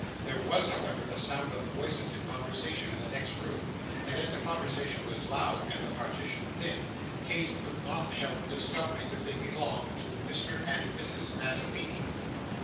There was, however, the sound of voices in conversation in the next room; and as the conversation was loud and the partition thin, Kate could not help discovering that they belonged to Mr and Mrs. Mantalini.